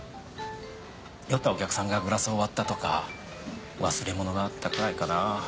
酔ったお客さんがグラスを割ったとか忘れ物があったくらいかな。